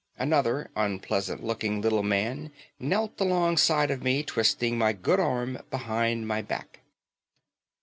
Another unpleasant looking little man knelt along side of me, twisting my good arm behind my back.